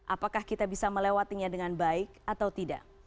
apakah kita bisa melewatinya dengan baik atau tidak